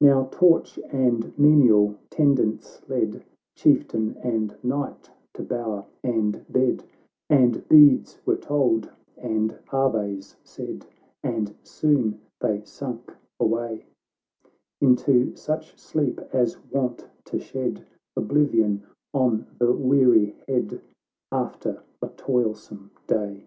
Now torch and menial tendance led Chieftain and knight to bower and bed, And beads were told, and aves said, And soon they sunk away Into such sleep, as wont to shed Oblivion on the weary head, After a toilsome day.